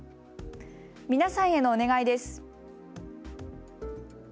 皆さんへのお願いです。